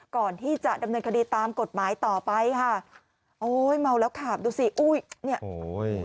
ก่อนที่จะดำเนินคดีตามกฏหมายต่อไปค่ะโอ้โหเมาแล้วขาบดูสิโอ้ย